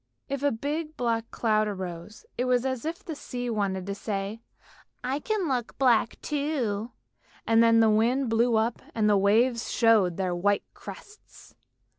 If a big black cloud arose, it was just as if the sea wanted to say, " I can look black too," and then the wind blew up and the waves showed their white crests.